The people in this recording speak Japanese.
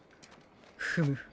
フム。